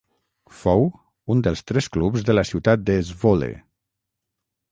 Fou un dels tres clubs de la ciutat de Zwolle.